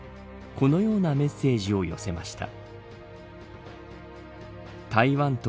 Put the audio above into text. このようなメッセージを寄せました。